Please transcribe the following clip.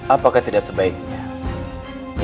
apakah tidak sebaiknya